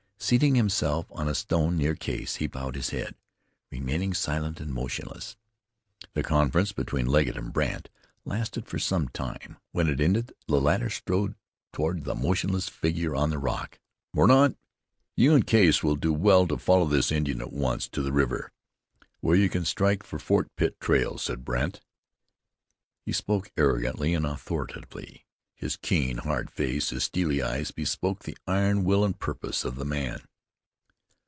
Seating himself on a stone near Case, he bowed his head, remaining silent and motionless. The conference between Legget and Brandt lasted for some time. When it ended the latter strode toward the motionless figure on the rock. "Mordaunt, you and Case will do well to follow this Indian at once to the river, where you can strike the Fort Pitt trail," said Brandt. He spoke arrogantly and authoritatively. His keen, hard face, his steely eyes, bespoke the iron will and purpose of the man.